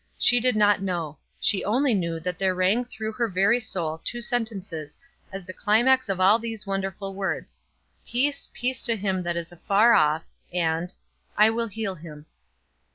She did not know. She only knew that there rang through her very soul two sentences as the climax of all these wonderful words: "Peace, peace to him that is afar off" and "I will heal him."